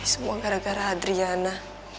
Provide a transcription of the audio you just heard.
semua gara gara adriana